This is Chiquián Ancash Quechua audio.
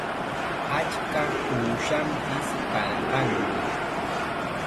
Achka uushanpis karqanmi.